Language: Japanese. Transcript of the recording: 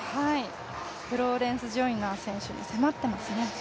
フローレンス・ジョイナー選手に迫ってますね。